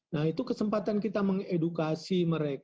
nah itu kesempatan kita mengedukasi mereka